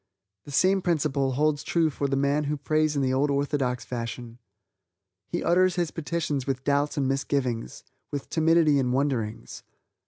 The same principle holds true for the man who prays in the old orthodox fashion. He utters his petitions with doubts and misgivings, with timidity and wonderings.